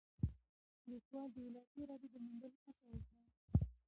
لیکوال د الهي ارادې د موندلو هڅه وکړه.